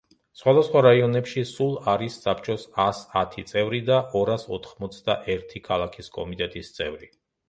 სხვადასხვა რაიონებში სულ არის საბჭოს ას ათი წევრი და ორას ოთხმოცდაერთი ქალაქის კომიტეტის წევრი.